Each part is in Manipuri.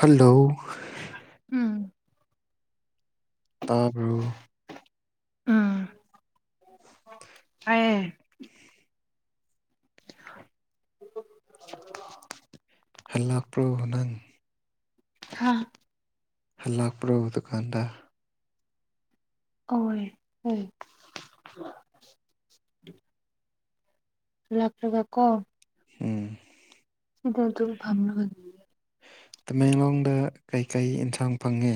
ꯍꯜꯂꯣ ꯎꯝ ꯇꯥꯕ꯭ꯔꯣ ꯎꯝ ꯇꯥꯌꯦ [unintelligible] [unintelligible] ꯍꯜꯂꯛꯄ꯭ꯔꯣ ꯅꯪ ꯍꯥꯥ ꯂꯥꯛꯄ꯭ꯔꯣꯕ ꯗꯨꯀꯥꯟꯗ꯫ ꯑꯣꯏ ꯍꯩ ꯫ ꯍꯜꯂꯛꯇꯔ꯭ꯒꯀꯣ ꯎꯝ ꯁꯤꯗ ꯑꯗꯨꯝ ꯐꯝꯔꯒ ꯂꯩ ꯇꯃꯦꯡꯂꯣꯡꯗ ꯀꯩꯀꯩ ꯢꯟꯁꯥꯡ ꯐꯪꯉꯦ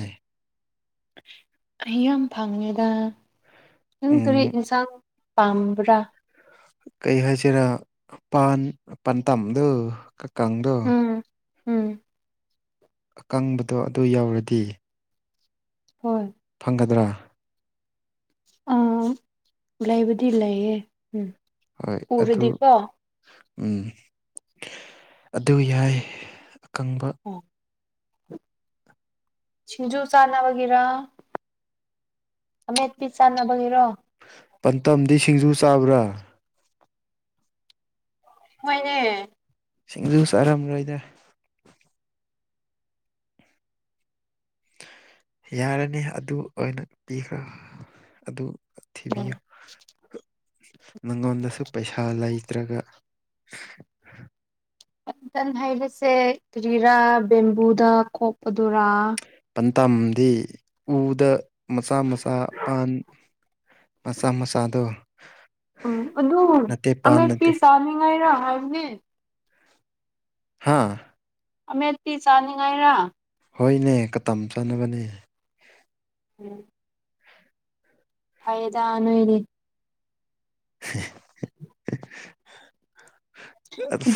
ꯑꯩ ꯌꯥꯝ ꯐꯪꯉꯦꯗꯥ ꯅꯪ ꯀꯔꯤ ꯎꯝ ꯢꯟꯁꯥꯡ ꯄꯥꯝꯕ꯭ꯔꯥ ꯀꯩ ꯍꯥꯏꯁꯤꯔꯥ ꯄꯥꯟ ꯄꯥꯟꯇꯝꯗꯣ ꯀꯀꯡꯗꯣ ꯎꯝ ꯎꯝ ꯑꯀꯪꯕꯗꯣ ꯑꯗꯨ ꯌꯥꯎꯔꯗꯤ ꯍꯣꯏ ꯐꯪꯒꯗ꯭ꯔꯥ ꯑꯥ ꯂꯩꯕꯗꯤ ꯂꯩꯌꯦ ꯎꯝ ꯍꯣꯏ ꯑꯗꯨ ꯎꯔꯗꯤꯀꯣ ꯎꯝ ꯑꯗꯨ ꯌꯥꯏ ꯑꯀꯪꯕ꯫ ꯑꯣ ꯁꯤꯡꯖꯨ ꯆꯥꯅꯕꯒꯤꯔꯥ ꯑꯃꯦꯠꯄꯤ ꯆꯥꯟꯅꯕꯒꯤꯔꯣ ꯄꯟꯇꯝꯗꯤ ꯁꯤꯡꯖꯨ ꯆꯥꯕ꯭ꯔꯥ ꯍꯣꯏꯅꯦ ꯁꯤꯡꯖꯨ ꯆꯥꯔꯝꯔꯣꯏꯗ ꯌꯥꯔꯅꯤ ꯑꯗꯨ ꯑꯣꯏꯅ ꯄꯤꯈ꯭ꯔꯣ ꯑꯗꯨ ꯊꯤꯕꯤꯌꯨ ꯅꯪꯉꯣꯟꯗꯁꯨ ꯄꯩꯁꯥ ꯂꯩꯇ꯭ꯔꯒ [inaudible] ꯄꯟꯇꯟ ꯍꯥꯏꯕꯁꯦ ꯀꯔꯤꯔꯥ ꯕꯦꯝꯕꯨꯗ ꯀꯣꯛꯄꯗꯨꯔꯥ ꯄꯟꯇꯥꯝꯗꯤ ꯎꯗ ꯃꯆꯥ ꯃꯆꯥ ꯄꯥꯟ ꯃꯆꯥ ꯃꯆꯥꯗꯣ ꯎꯝ ꯑꯗꯨ ꯅꯠꯇꯦ ꯄꯥꯟ ꯑꯃꯦꯠꯄꯤ ꯅꯠꯇꯦ ꯆꯥꯅꯤꯡꯉꯥꯏꯔꯥ ꯍꯥꯏꯕꯅꯦ ꯍꯥꯥ ꯑꯃꯦꯠꯄꯤ ꯆꯥꯅꯤꯡꯉꯥꯏꯔꯥ ꯍꯣꯏꯅꯦ ꯀꯇꯝ ꯆꯥꯅꯕꯅꯦ ꯎꯝ ꯐꯩꯌꯦꯗꯥ ꯅꯣꯏꯗꯤ [inaudible]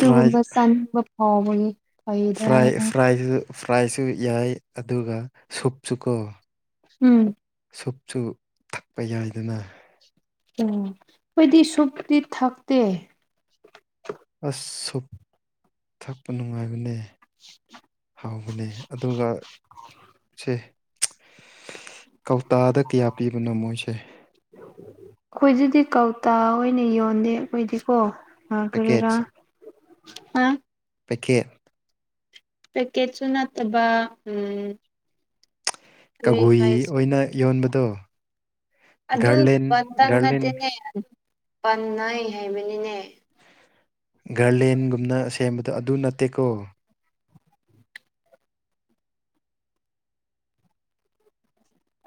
ꯐ꯭ꯔꯥꯏ ꯆꯥꯅꯤꯡꯕ ꯐꯥꯎꯕꯒꯤ ꯐꯩꯗ ꯐꯔ꯭ꯥꯢ ꯐꯔ꯭ꯥꯢꯁꯨ ꯐ꯭ꯔꯥꯏꯁꯨ ꯌꯥꯏ ꯑꯗꯨꯒ ꯁꯨꯞꯁꯨꯀꯣ ꯎꯝ ꯁꯨꯞꯁꯨ ꯊꯛꯄ ꯌꯥꯏꯗꯅ ꯎꯝ ꯈꯣꯏꯗꯤ ꯁꯨꯞꯇꯤ ꯊꯛꯇꯦ ꯑꯁ ꯁꯨꯞ ꯊꯛꯄ ꯅꯨꯡꯉꯥꯏꯕꯅꯦ ꯍꯥꯎꯕꯅꯦ ꯑꯗꯨꯒ ꯁꯦ ꯀꯧꯇꯥꯗ ꯀꯌꯥ ꯄꯤꯕꯅꯣ ꯃꯣꯏꯁꯦ ꯑꯩꯈꯣꯏꯖꯤꯗꯤ ꯀꯧꯇꯥ ꯑꯣꯏꯅ ꯌꯣꯟꯗꯦ ꯑꯩꯈꯣꯏꯗꯤꯀꯣ ꯎꯝ ꯄꯦꯀꯦꯠ ꯀꯔꯤꯔꯥ ꯑ ꯄꯦꯀꯦꯠ ꯄꯦꯛꯀꯦꯠꯁꯨ ꯅꯠꯇꯕ ꯎꯝ ꯀꯔꯤ ꯀꯒꯨꯏ ꯍꯥꯏꯁꯤ ꯑꯣꯏꯅ ꯌꯣꯟꯕꯗꯣ ꯑꯗꯨ ꯒꯥꯔꯂꯦꯟ ꯄꯟꯇꯟ ꯒꯥꯔꯂꯦꯟ ꯅꯠꯇꯦꯅꯦ ꯄꯥꯟꯅꯩ ꯍꯥꯏꯕꯅꯤꯅꯦ ꯒꯔꯂꯦꯟꯒꯨꯝꯅ ꯁꯦꯝꯕꯗꯣ ꯑꯗꯨ ꯅꯠꯇꯦꯀꯣ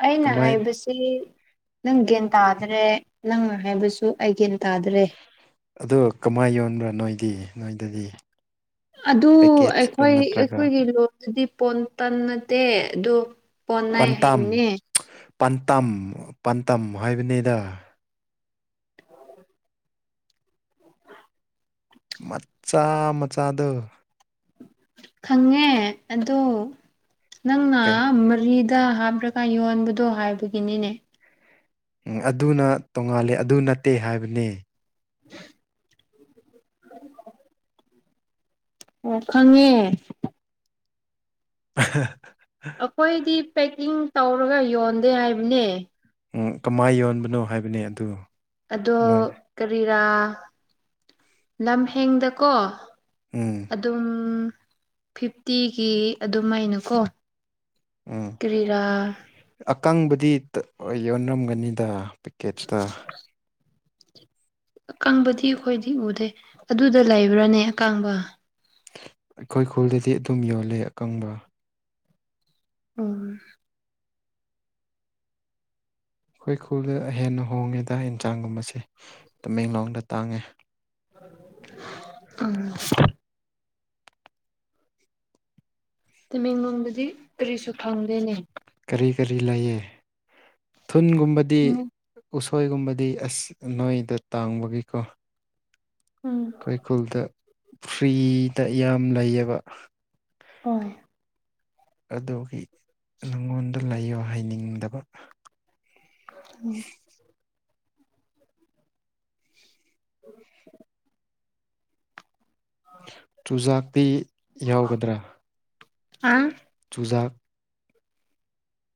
ꯑꯩꯅ ꯀꯃꯥꯏ ꯍꯥꯏꯕꯁꯤ ꯅꯪ ꯒ꯭ꯌꯥꯟ ꯇꯥꯗ꯭ꯔꯦ ꯅꯪ ꯍꯥꯏꯕꯁꯨ ꯑꯩ ꯒꯦꯟ ꯇꯥꯗ꯭ꯔꯦ ꯑꯗꯨ ꯀꯃꯥꯏ ꯌꯣꯟꯕ꯭ꯔꯥ ꯅꯣꯏꯗꯤ ꯅꯣꯏꯗꯗꯤ ꯑꯗꯨ ꯄꯦꯀꯦꯠꯇ ꯑꯩꯈꯣꯏ ꯅꯠꯇ꯭ꯔꯒ ꯑꯩꯈꯣꯏꯒꯤ ꯂꯣꯟꯗꯨꯗꯤ ꯄꯣꯟ ꯇꯟ ꯅꯠꯇꯦ ꯑꯗꯨ ꯄꯣꯟꯅꯩ ꯄꯟꯇꯝ ꯍꯥꯏꯕꯅꯦ ꯄꯟꯇꯝ ꯄꯟꯇꯝ ꯍꯥꯏꯕꯅꯤꯗ ꯃꯠꯁꯤ ꯗꯥꯝ ꯃꯆꯥꯗ ꯈꯪꯉꯦ ꯑꯗꯣ ꯅꯪꯅ ꯀꯩ ꯃꯔꯤ ꯗ ꯍꯥꯞꯂꯒ ꯌꯣꯟꯕꯗꯣ ꯍꯥꯏꯕꯒꯤꯅꯤꯅꯦ ꯎꯝ ꯑꯗꯨꯅ ꯇꯣꯡꯉꯥꯜꯂꯦ ꯑꯗꯨ ꯅꯠꯇꯦ ꯍꯥꯏꯕꯅꯦ [inaudible] [unintelligible] ꯑꯣ ꯈꯪꯉꯦ [unintelligible] ꯑꯈꯣꯏꯗꯤ ꯄꯦꯛꯀꯤꯡ ꯇꯧꯔꯒ ꯌꯣꯟꯗꯦ ꯍꯥꯏꯕꯅꯦ ꯎꯝ ꯀꯃꯥꯏ ꯌꯣꯟꯕꯅꯣ ꯍꯥꯏꯕꯅꯦ ꯑꯗꯨ ꯑꯗꯣ ꯅꯣꯏ ꯀꯔꯤꯔꯥ ꯂꯝꯍꯦꯡꯗꯀꯣ ꯎꯝ ꯑꯗꯨꯝ ꯐꯤꯐꯇꯤꯒꯤ ꯑꯗꯨꯃꯥꯏꯅꯀꯣ ꯎꯝ ꯀꯔꯤꯔꯥ ꯑꯀꯪꯕꯗꯤ ꯇ ꯌꯣꯟꯅꯔꯝꯒꯅꯤꯗ ꯄꯦꯛꯀꯦꯁꯇ ꯑꯀꯪꯕꯗꯤ ꯑꯩꯈꯣꯏꯗꯤ ꯎꯗꯦ ꯑꯗꯨꯗ ꯂꯩꯕ꯭ꯔꯥꯅꯦ ꯑꯀꯪꯕ ꯑꯩꯈꯣꯏ ꯈꯨꯜꯗꯗꯤ ꯑꯗꯨꯝ ꯌꯣꯜꯂꯦ ꯑꯀꯪꯕ ꯎꯝ ꯑꯩꯈꯣꯏ ꯈꯨꯜꯗ ꯍꯦꯟꯅ ꯍꯣꯡꯉꯦꯗ ꯌꯦꯟꯁꯥꯡꯒꯨꯝꯕꯁꯦ ꯇꯃꯦꯡꯂꯣꯡꯗ ꯇꯥꯡꯉꯦ ꯎꯝ ꯇꯃꯦꯡꯂꯣꯡꯗꯗꯤ ꯀꯔꯤꯁꯨ ꯐꯪꯗꯦꯅꯦ ꯀꯔꯤ ꯀꯔꯤ ꯂꯩꯌꯦ ꯊꯨꯟꯒꯨꯝꯕꯗꯤ ꯎꯝ ꯎꯁꯣꯏꯒꯨꯝꯕꯗꯤ ꯑꯁ ꯅꯣꯏꯗ ꯇꯥꯡꯕꯒꯤꯀꯣ ꯎꯝ ꯈꯣꯏ ꯈꯨꯜꯗ ꯐ꯭ꯔꯤꯗ ꯌꯥꯝ ꯂꯩꯌꯦꯕ ꯍꯣꯏ ꯑꯗꯨꯒꯤ ꯅꯪꯉꯣꯟꯗ ꯂꯩꯌꯣ ꯍꯥꯏꯅꯤꯡꯗꯕ ꯎꯝ [inaudible] ꯆꯨꯖꯥꯛꯇꯤ ꯌꯥꯎꯒꯗ꯭ꯔꯥ ꯑꯥꯡ ꯆꯨꯖꯥꯛ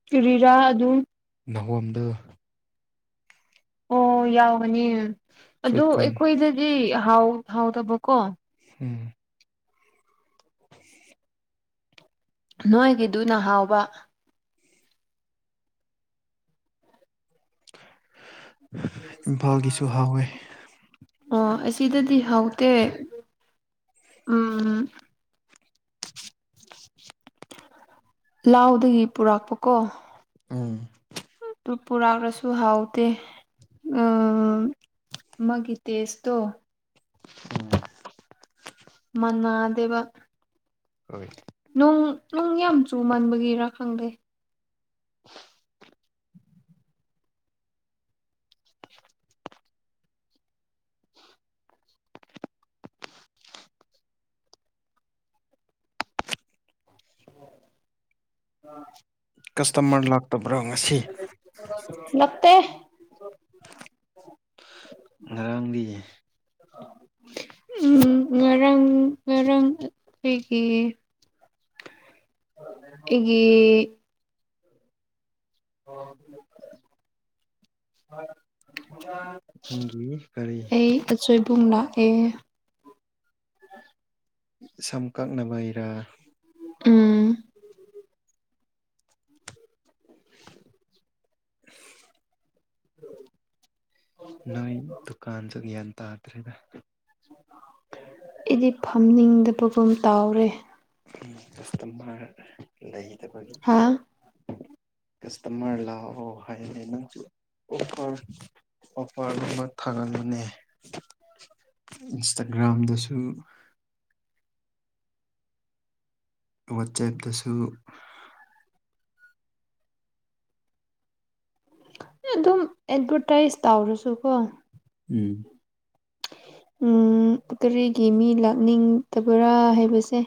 ꯀꯔꯤꯔꯥ ꯑꯗꯨ? ꯅꯍꯣꯝꯗ, ꯑꯣ ꯌꯥꯎꯕꯅꯤ ꯁ꯭ꯋꯤꯠ ꯑꯗꯨ ꯀꯣꯔꯟ ꯑꯩꯈꯣꯏꯗꯗꯤ ꯍꯥꯎ ꯍꯥꯎꯗꯕꯀꯣ꯫ ꯎꯝ [inaudible] ꯅꯣꯏꯒꯤꯗꯨꯅ ꯍꯥꯎꯕ꯫ ꯏꯝꯐꯥꯜꯒꯤꯁꯨ ꯍꯥꯎꯋꯦ꯫ ꯑꯣ ꯑꯁꯤꯗꯗꯤ ꯍꯥꯎꯇꯦ ꯎꯝ꯫ ꯂꯥꯎꯗꯒꯤ ꯄꯨꯔꯛꯥꯛꯄ ꯀꯣ꯫ ꯑꯝ ꯇꯨ ꯄꯨꯔꯥꯛꯔꯁꯨ ꯍꯥꯎꯇꯦ ꯎꯝ꯫ ꯃꯒꯤ ꯏꯇꯦꯁ ꯇꯣ꯫ ꯎꯝ꯫ ꯃꯥꯟꯅꯗꯦꯕ꯫ ꯍꯣꯏ꯫ ꯅꯣꯡ ꯅꯣꯡ ꯌꯥꯝ ꯆꯨꯃꯟꯕꯒꯤꯔꯥ ꯈꯪꯗꯦ꯫ [inaudible] [inaudible] ꯀꯁꯇꯃꯔ ꯂꯥꯛꯇꯕ꯭ꯔꯥ ꯉꯁꯤ? ꯂꯛꯇꯦ꯫ ꯉꯔꯥꯡꯗꯤ? ꯎꯝ ꯉꯔꯥꯡ ꯉꯔꯥꯡ ꯑꯩꯒꯤ, ꯑꯩꯒꯤ, [unintelligible] ꯃꯊꯪꯒꯤ ꯀꯔꯤ? ꯑꯩ ꯑꯆꯣꯏꯕꯨꯡ ꯂꯥꯛꯑꯦ꯫ ꯁꯝ ꯀꯛꯅꯕꯩꯔꯥ? ꯎꯝ꯫ [inaudible] [inaudible] ꯅꯣꯏ ꯗꯨꯀꯥꯟꯁꯨ ꯒ꯭ꯌꯥꯟ ꯇꯥꯇ꯭ꯔꯦꯗ꯫ ꯑꯩꯗꯤ ꯐꯝꯅꯤꯡꯗꯕꯒꯨꯝ ꯇꯥꯎꯔꯦ꯫ ꯀꯁꯇꯃꯔ ꯂꯩꯗꯕꯒꯤ꯫ ꯍꯥ ꯀꯁꯇꯃꯔ ꯂꯥꯛꯑꯣ ꯍꯥꯏꯌꯣꯅꯦ ꯅꯪꯁꯨ꯫ ꯑꯣꯐꯔ ꯒꯨꯝꯕ ꯊꯥꯒꯠꯂꯣꯅꯦ ꯏꯟꯁꯇꯥꯒ꯭ꯔꯥꯝꯗꯁꯨ꯫ ꯋꯥꯆꯦꯞꯇꯁꯨ꯫ ꯑꯗꯨꯝ ꯑꯦꯠꯚꯔꯇꯥꯏꯁ ꯇꯧꯔꯁꯨꯀꯣ꯫ ꯎꯝ ꯎꯝ ꯀꯔꯤꯒꯤ ꯃꯤ ꯂꯥꯛꯅꯤꯡꯇꯕ꯭ꯔꯥ ꯍꯥꯏꯕꯁꯦ꯫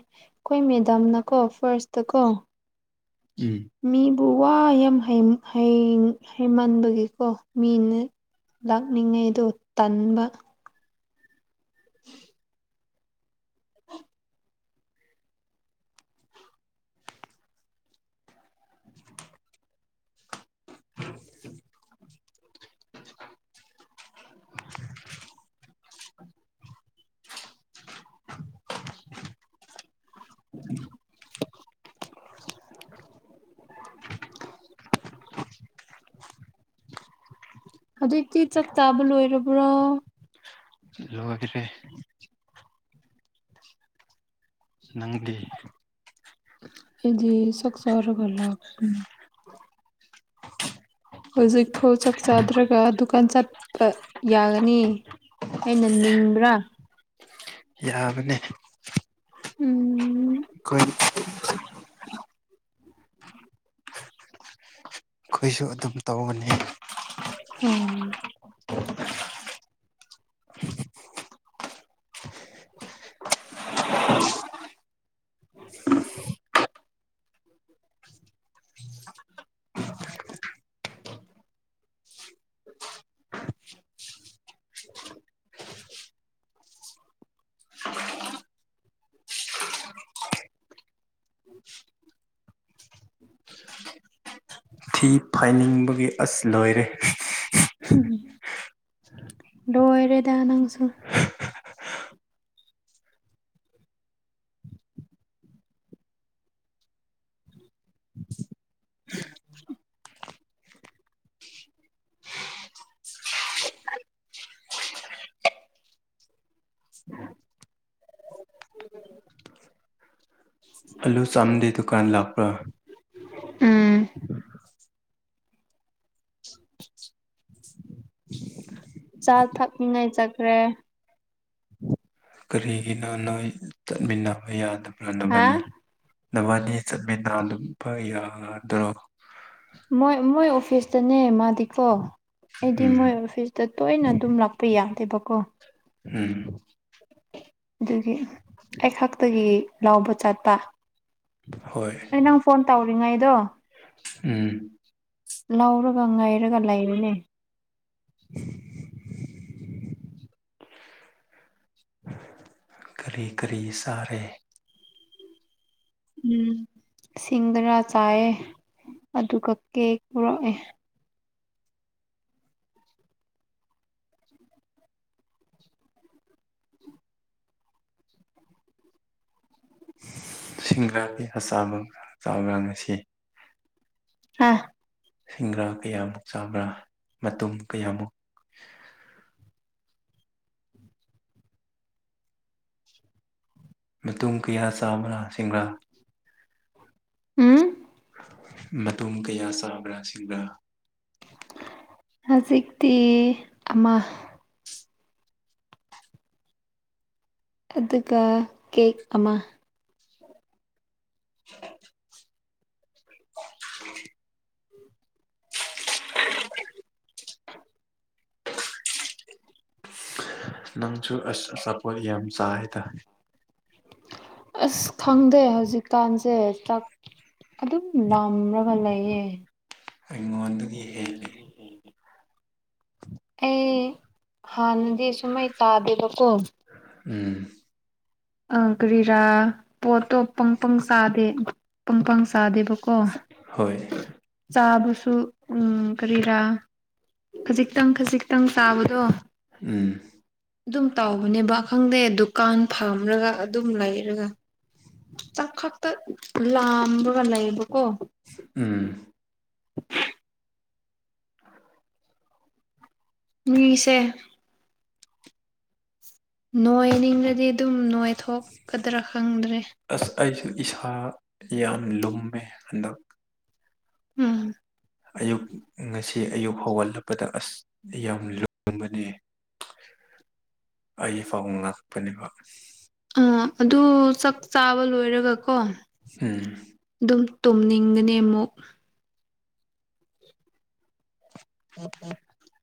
ꯈꯣꯏ ꯃꯦꯗꯥꯝꯅꯀꯣ ꯐꯥꯔꯁꯇꯀꯣ꯫ ꯎꯝ ꯃꯤꯕꯨ ꯋꯥ ꯌꯥꯝ ꯍꯩ ꯍꯩ ꯍꯩꯃꯟꯕꯒꯤꯀꯣ ꯃꯤꯅ, ꯂꯥꯛꯅꯤꯡꯉꯩꯗꯣ ꯇꯟꯕ꯫ [inaudible] [inaudible] [inaudible] [inaudible] [inaudible] ꯍꯧꯖꯤꯛꯇꯤ ꯆꯥꯛ ꯆꯥꯕ ꯂꯣꯏꯔꯕ꯭ꯔꯣ ꯂꯣꯢꯔꯦ ꯅꯪꯗꯤ ꯑꯩꯗꯤ ꯆꯥꯛ ꯆꯥꯔꯒ ꯂꯥꯛ [unintelligible] ꯍꯧꯖꯤꯛꯐꯥꯎ ꯆꯥꯛ ꯆꯥꯗ꯭ꯔꯒ ꯗꯨꯀꯥꯟ ꯆꯠꯄ ꯌꯥꯒꯅꯤ ꯑꯩꯅ ꯅꯤꯡꯕ꯭ꯔꯥ ꯌꯥꯕꯅꯦ ꯎꯝ ꯈꯣꯏ ꯈꯣꯏꯁꯨ ꯑꯗꯨꯝ ꯇꯧꯕꯅꯦ ꯑꯣ [inaudible] [inaudible] ꯊꯤ ꯐꯥꯏꯅꯤꯡꯕꯒꯤ ꯑꯁ ꯂꯣꯏꯔꯦ ꯂꯣꯏꯔꯦꯗ ꯅꯪꯁꯨ [inaudible] [inaudible] [inaudible] ꯑꯜꯂꯨ ꯆꯥꯝꯗꯦ ꯗꯨꯀꯥꯟ ꯂꯥꯛꯄ꯭ꯔꯥ ꯎꯝ ꯆꯥ ꯊꯛꯅꯤꯉꯥꯏ ꯆꯈ꯭ꯔꯦ ꯀꯔꯤꯒꯤꯅꯣ ꯅꯣꯏ ꯆꯠꯃꯤꯟꯅꯕ ꯌꯥꯗꯕꯔ꯭ꯥ ꯍꯥ ꯅꯕꯥꯅꯤ ꯅꯕꯥꯅꯤ ꯆꯠꯃꯤꯟꯅꯗꯨꯝꯕ ꯌꯥꯗ꯭ꯔꯣ ꯃꯣꯏ ꯃꯣꯏ ꯑꯣꯐꯤꯁꯇꯅꯦ ꯃꯥꯗꯤꯀꯣ ꯑꯩꯗꯤ ꯎꯝ ꯃꯣꯏ ꯑꯣꯐꯤꯁ ꯇ ꯇꯣꯏꯅ ꯑꯗꯨꯝ ꯔꯥꯛꯄ ꯌꯥꯗꯦꯕꯀꯣ ꯎꯝ ꯗꯨꯒꯤ [inaudible] ꯑꯩ ꯈꯛꯇꯒꯤ ꯂꯥꯎꯕ ꯆꯠꯄ ꯍꯣꯏ ꯑꯩ ꯅꯪ ꯐꯣꯟ ꯇꯧꯔꯤꯉꯩꯗꯣ ꯎꯝ ꯂꯧꯔꯒ ꯉꯥꯏꯔꯒ ꯂꯩꯔꯤꯅꯦ [inaudible] ꯀꯔꯤ ꯀꯔꯤ ꯆꯥꯔꯦ ꯎꯝ ꯁꯤꯡꯒꯔꯥ ꯆꯥꯏꯌꯦ ꯑꯗꯨꯒ ꯀꯦꯛ ꯄꯣꯔꯛꯑꯦ ꯁꯤꯡꯒꯔꯥꯗꯤ ꯍꯆꯥꯕ ꯆꯥꯕꯔ꯭ꯥ ꯉꯁꯤ ꯍꯥ ꯁꯤꯡꯒꯔꯥ ꯀꯌꯥꯃꯨꯛ ꯆꯥꯕ꯭ꯔꯥ ꯃꯇꯨꯝ ꯀꯌꯥꯃꯨꯛ ꯃꯇꯨꯝ ꯀꯌꯥ ꯆꯥꯕ꯭ꯔꯥ ꯁꯤꯡꯒꯔ꯭ꯥ ꯎꯝ ꯃꯇꯨꯝ ꯀꯌꯥ ꯆꯥꯕ꯭ꯔꯥ ꯁꯤꯡꯒꯔ꯭ꯥ ꯍꯧꯖꯤꯛꯇꯤ ꯑꯃ ꯑꯗꯨꯒ ꯀꯦꯛ ꯑꯃꯥ [unintelligible] [unintelligible] ꯅꯪꯁꯨ ꯑꯁ ꯑꯆꯥꯄꯣꯠ ꯌꯥꯝ ꯆꯥꯔꯦꯗ ꯑꯁ ꯈꯪꯗꯦ ꯍꯧꯖꯤꯛꯀꯥꯟꯁꯦ ꯆꯥꯛ ꯑꯗꯨꯝ ꯂꯥꯝꯔꯒ ꯂꯩꯌꯦ ꯑꯩꯉꯣꯟꯗꯒꯤ ꯍꯦꯜꯂꯦ ꯑꯩ ꯍꯥꯟꯅꯗꯤ ꯁꯨꯝꯃꯥꯢ ꯆꯥꯗꯦꯕꯀꯣ ꯎꯝ ꯑ ꯀꯔꯤꯔꯥ ꯄꯣꯠꯇꯣ ꯄꯪ ꯄꯪ ꯆꯥꯗꯦ ꯄꯪ ꯄꯪ ꯆꯥꯗꯦꯕ ꯍꯣꯏ [unintelligible] ꯆꯥꯕꯁꯨ ꯎꯝ ꯀꯔꯤꯔꯥ ꯈꯖꯤꯛꯇꯪ ꯈꯖꯤꯛꯇꯪ ꯆꯥꯕꯗꯣ ꯎꯝ ꯑꯗꯨꯝ ꯇꯧꯕꯅꯦꯕ ꯈꯪꯗꯦ ꯗꯨꯀꯥꯟ ꯐꯝꯔꯒ ꯑꯗꯨꯝ ꯂꯩꯔꯒ ꯆꯥꯛ ꯈꯛꯇ ꯂꯥꯝꯔꯒ ꯂꯩꯌꯦꯕꯀꯣ ꯎꯝ [unintelligible] ꯃꯤꯁꯦ ꯅꯣꯏꯅꯤꯡꯉꯗꯤ ꯑꯗꯨꯝ ꯅꯣꯏ ꯊꯣꯛꯀꯗ꯭ꯔꯥ ꯈꯪꯗ꯭ꯔꯦ ꯑꯁ ꯑꯩꯁꯨ ꯢꯁꯥ ꯌꯥꯝ ꯂꯨꯝꯃꯦ ꯍꯟꯗꯛ ꯎꯝ ꯑꯌꯨꯛ ꯉꯁꯤ ꯑꯌꯨꯛ ꯍꯧꯒꯠꯂꯛꯄꯗ ꯑꯁ ꯑꯩ ꯌꯥꯝ ꯂꯨꯝꯕꯅꯦ [unintelligible] ꯑꯩ ꯐꯥꯎꯕ ꯉꯛꯄꯅꯦꯕ ꯑ ꯑꯗꯨ ꯆꯥꯛ ꯆꯥꯕ ꯂꯣꯏꯔꯒꯀꯣ ꯎꯝ ꯑꯗꯨꯝ ꯇꯨꯝꯅꯤꯡꯒꯅꯤ ꯑꯃꯨꯛ [unintelligible]